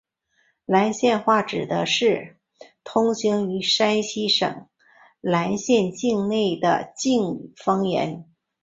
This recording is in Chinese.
岚县话指的是通行于山西省岚县境内的晋语方言。